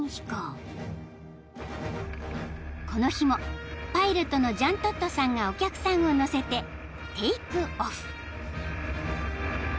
［この日もパイロットのジャントットさんがお客さんを乗せてテークオフ］